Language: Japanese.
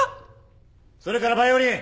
それからバイオリン！